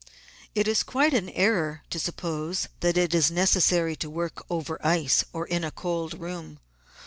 It is quite an error to suppose that it is necessary to work over ice or in a cold room.